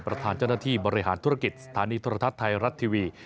ประธานเจ้าหน้าที่บริหารธุรกิจสถานีโทรทัศน์ไทยรัฐทีวี